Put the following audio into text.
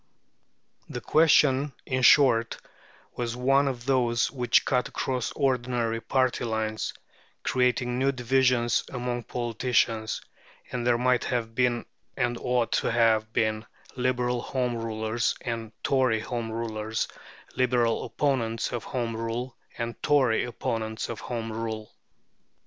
The question, in short, was one of those which cut across ordinary party lines, creating new divisions among politicians; and there might have been and ought to have been Liberal Home Rulers and Tory Home Rulers, Liberal opponents of Home Rule and Tory opponents of Home Rule.